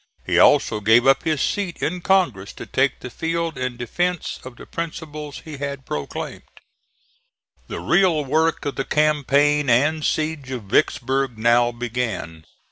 He also gave up his seat in Congress to take the field in defence of the principles he had proclaimed. The real work of the campaign and siege of Vicksburg now began.